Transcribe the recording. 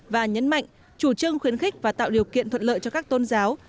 và nhấn mạnh chủ trương khuyến khích và tạo điều kiện thuận lợi cho các tôn giáo